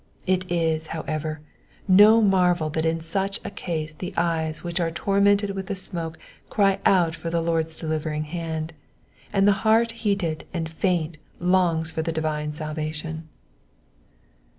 It is, however, no marvel that in such a case the eyes which are tormented with the smoke cry out for the Lord's delivering hand, and the heart heated and faint longs for the divine salvation.